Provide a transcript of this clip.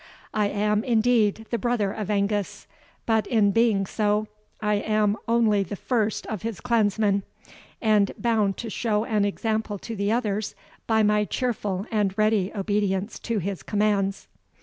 I am, indeed, the brother of Angus; but in being so, I am only the first of his clansmen, and bound to show an example to the others by my cheerful and ready obedience to his commands."